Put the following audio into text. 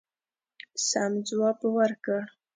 سم جواب ورکړ.